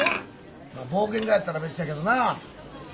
まあ冒険ぐらいやったら別やけどな。